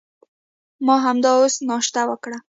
ما همدا اوس ناشته وکړه.